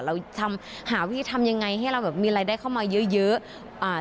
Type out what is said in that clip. เราหาวิธีทำอย่างไรให้เรามีอะไรได้เข้ามาเยอะ